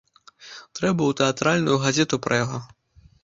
Трэба ў цэнтральную газету пра яго.